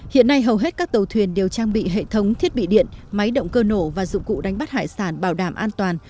hiện nay hầu hết các tàu thuyền đều trang bị hệ thống thiết bị điện máy động cơ nổ và dụng cụ đánh bắt hải sản bảo đảm an toàn